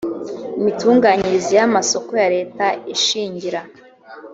imitunganyirize y amasoko ya leta ishingira